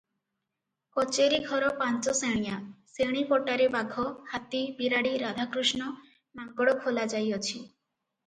କଚେରୀ ଘର ପାଞ୍ଚ ଶେଣିଆ, ଶେଣି ପଟାରେ ବାଘ, ହାତୀ, ବିରାଡ଼ି, ରାଧାକୃଷ୍ଣ, ମାଙ୍କଡ଼ ଖୋଳାଯାଇଅଛି ।